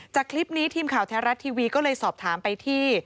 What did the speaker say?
จากคลิปนี้ทีมข่าวแท้รัฐทีวีก็เลยสอบถามไปที่